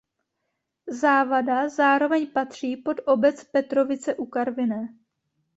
Závada zároveň patří pod obec Petrovice u Karviné.